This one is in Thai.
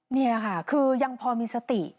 นี่ค่ะคือยังพอมีสติ